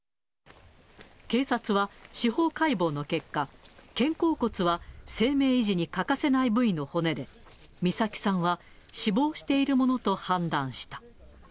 警察は司法解剖の結果、肩甲骨は生命維持に欠かせない部位の骨で、美咲さんは死亡しているものと判断した。